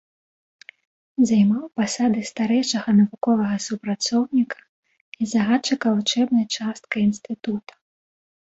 Займаў пасады старэйшага навуковага супрацоўніка і загадчыка вучэбнай часткай інстытута.